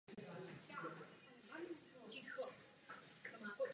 Začala reprezentovat svou novou zemi Rakousko.